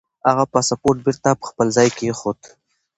هغه پاسپورت بېرته پر خپل ځای کېښود.